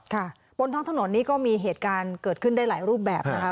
ค่ะบนท้องถนนนี้ก็มีเหตุการณ์เกิดขึ้นได้หลายรูปแบบนะคะ